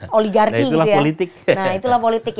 pak berki gitu ya nah itulah politik